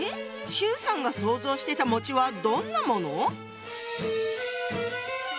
周さんが想像してたはどんなもの？